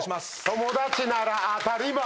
「友達なら当たり前」